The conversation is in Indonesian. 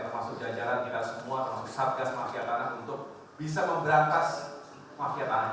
termasuk jajaran kita semua termasuk satgas mafia tanah untuk bisa memberantas mafia tanah